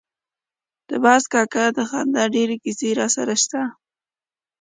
د باز کاکا د خندا ډېرې کیسې راسره شته.